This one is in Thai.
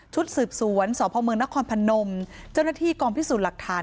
ชุดสืบสวนสอบภาคเมืองนครพนมเจ้าหน้าที่กองพิสูจน์หลักฐาน